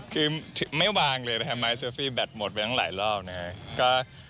คือไม่วางเลยนะฮะไม้เซลฟี่แบตหมดไปตั้งหลายรอบนะครับ